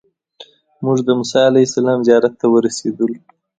موږ د موسی علیه السلام زیارت ته ورسېدلو.